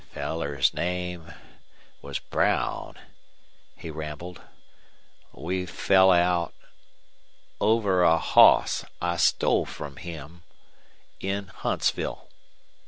"Feller's name was Brown," he rambled. "We fell out over a hoss I stole from him in Huntsville.